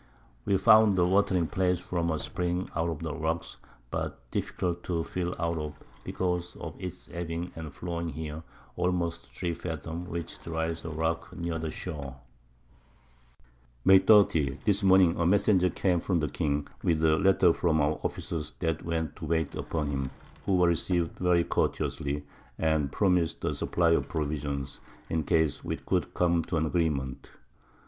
We found a watering Place from a Spring out of the Rocks, but difficult to fill out of, because of its Ebbing and Flowing here, almost 3 Fathom, which dries the Rock near the Shoar. [Sidenote: At Anchor at the Island of Bouton.] May 30. This Morning a Messenger came from the King, with a Letter from our Officers that went to wait upon him, who were receiv'd very courteously, and promis'd a Supply of Provisions, in Case we could come to an Agreement.